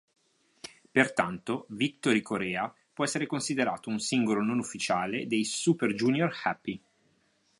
Pertanto "Victory Korea" può essere considerato un singolo non ufficiale dei Super Junior-Happy.